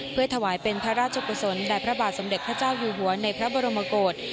เพื่อถวายเป็นพระราชกุศลแด่พระบาทสมเด็จพระเจ้าอยู่หัวในพระบรมกฏ